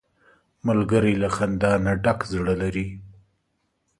ملګری له خندا نه ډک زړه لري